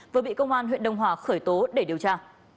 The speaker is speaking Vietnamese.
vừa bị công an huyện đông hòa khởi tố để điều tra